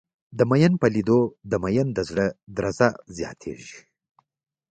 د ميئن په لېدو د ميئن د زړه درزه زياتېږي.